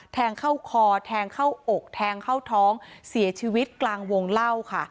แทงเข้าคอแทงเข้าอกแทงเข้าท้องเสียชีวิตกลางวงเล่าค่ะ